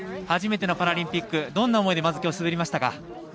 初めてのパラリンピックどんな思いで滑りましたか？